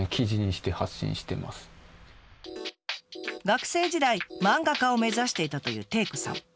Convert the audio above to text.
学生時代漫画家を目指していたというテイクさん。